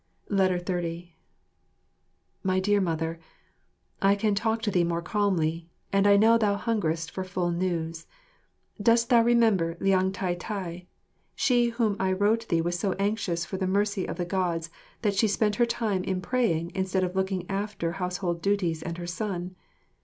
30 My Dear Mother, I can talk to thee more calmly, and I know thou hungerest for full news. Dost thou remember Liang Tai tai, she whom I wrote thee was so anxious for the mercy of the Gods that she spent her time in praying instead of looking after household duties and her son?